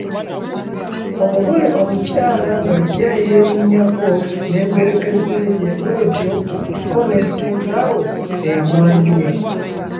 Omugole omukyala ng’ajja yeerinnyako n’emperekeze ye bw’etyo ko ne ssenga we eyamwanjula.